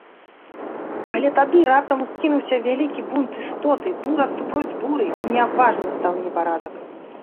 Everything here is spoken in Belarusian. Але тады раптам ускінуўся вялікі бунт істоты, бура супроць буры, і няважным стаў непарадак.